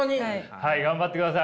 はい頑張ってください。